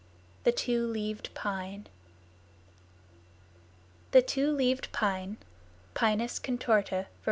The Two Leaved Pine The Two Leaved Pine (Pinus contorta, var.